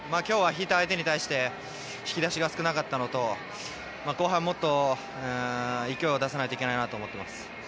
今日は引いた相手に対して引き出しが少なかったのと後半、もっと勢いを出さないといけないなと思います。